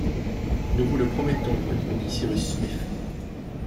Nous vous le promettons, » répondit Cyrus Smith